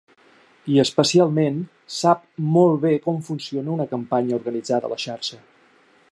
I, especialment, sap molt bé com funciona una campanya organitzada a la xarxa.